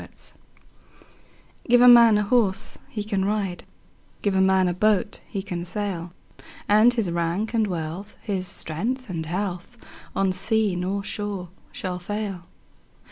Gifts GIVE a man a horse he can ride, Give a man a boat he can sail; And his rank and wealth, his strength and health, On sea nor shore shall fail.